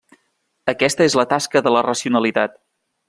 Aquesta és la tasca de la racionalitat.